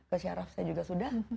ke syaraf saya juga sudah